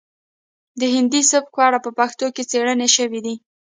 د هندي سبک په اړه په پښتو کې څیړنې شوي دي